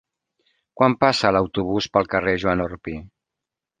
Quan passa l'autobús pel carrer Joan Orpí?